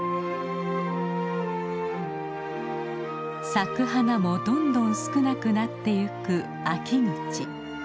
咲く花もどんどん少なくなっていく秋口。